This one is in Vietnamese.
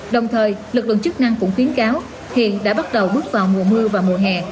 đồng thời lực lượng chức năng cũng khuyến cáo hiện đã bắt đầu bước vào mùa mưa và mùa hè